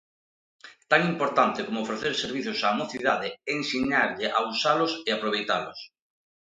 Tan importante como ofrecer servizos á mocidade, é ensinarlle a usalos e aproveitalos.